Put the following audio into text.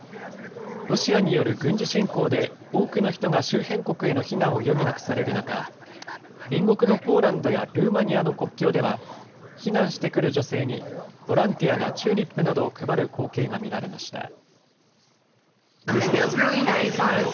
ロシアによる軍事侵攻で多くの人が周辺国への避難を余儀なくされる中、隣国のポーランドやルーマニアの国境では、避難してくる女性にボランティアがチューリップなどを配る光景が見られました。